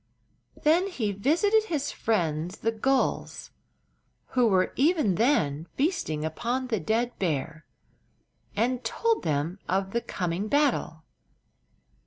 Then he visited his friends, the gulls, who were even then feasting upon the dead bear, and told them of the coming battle.